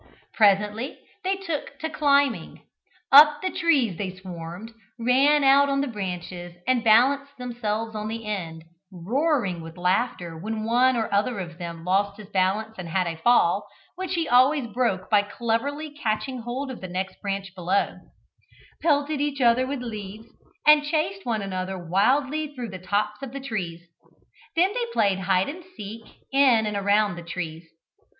Presently they took to climbing. Up the trees they swarmed, ran out on the branches, and balanced themselves on the ends (roaring with laughter when one or other of them lost his balance and had a fall, which he always broke by cleverly catching hold of the next branch below), pelted each other with leaves, and chased one another wildly through the tops of the trees. Then they played at hide and seek in and around the trees.